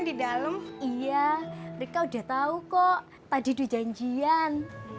di dalam iya mereka udah tahu kok tadi dijanjian